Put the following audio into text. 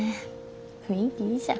雰囲気いいじゃん。